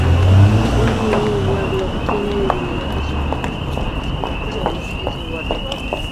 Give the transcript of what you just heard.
Un medio-Warlock tiene debilidades humanas normales, pero posee poderes de Warlock.